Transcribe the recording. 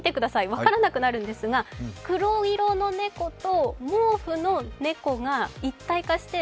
分からなくなるんですが、黒色の猫と毛布の猫が一体化して、